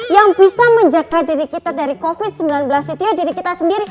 yang bisa menjaga diri kita dari covid sembilan belas itu ya diri kita sendiri